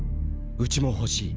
うちも欲しい」。